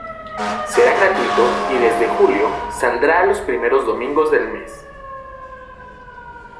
Será gratuito y, desde julio, saldrá los primeros domingos del mes.